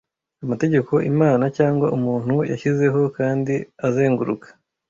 Amategeko Imana cyangwa umuntu yashyizeho, kandi azenguruka